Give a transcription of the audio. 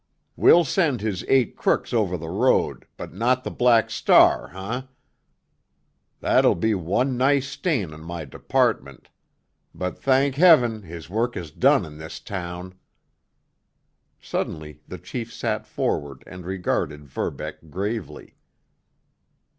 We'll send his eight crooks over the road, but not the Black Star, eh? That'll be one nice stain on my department! But, thank Heaven, his work is done in this town!" Suddenly the chief sat forward and regarded Verbeck gravely.